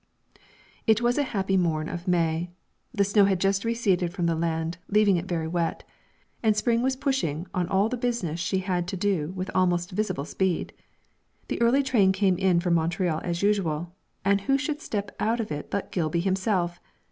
It was a happy morn of May; the snow had just receded from the land, leaving it very wet, and Spring was pushing on all the business she had to do with almost visible speed. The early train came in from Montreal as usual, and who should step out of it but Gilby himself!